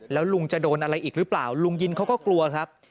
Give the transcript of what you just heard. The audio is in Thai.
แล้วลุงจะโดนอะไรอีกหรือเปล่าลุงยินเขาก็กลัวครับ